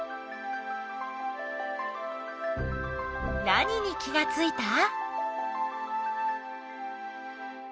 何に気がついた？